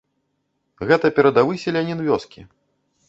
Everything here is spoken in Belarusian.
Гэта перадавы селянін вёскі.